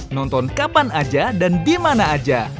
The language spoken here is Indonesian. nonton kapan aja dan dimana aja